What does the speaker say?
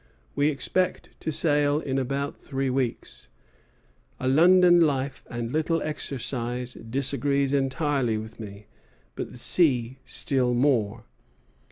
We expect to sail in about three weeks. A London life and little exercise disagrees entirely with me, but the sea still more.